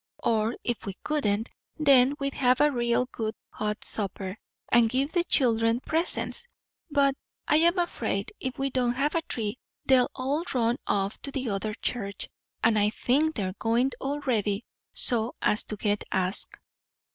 Or, if we couldn't, then we'd have a real good hot supper, and give the children presents. But I'm afraid, if we don't have a tree, they'll all run off to the other church; and I think they're going already, so as to get asked.